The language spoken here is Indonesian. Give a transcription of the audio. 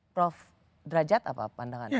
prof drajat apa pandangannya